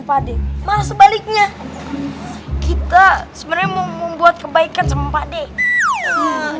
pada sebaliknya kita sebenarnya membuat kebaikan sama pade